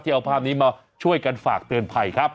เอาภาพนี้มาช่วยกันฝากเตือนภัยครับ